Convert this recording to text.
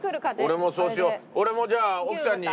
俺もそうしよう。